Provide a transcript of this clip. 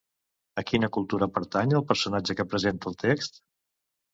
A quina cultura pertany el personatge que presenta el text?